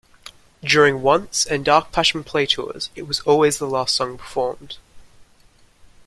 During Once and Dark Passion Play tours it was always the last song performed.